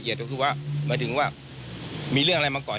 เนี่ยค่ะแล้วก็มีผู้ที่เห็นเหตุการณ์เขาก็เล่าให้ฟังเหมือนกันนะครับ